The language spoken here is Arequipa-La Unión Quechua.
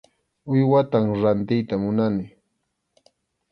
Uywatam rantiyta munani.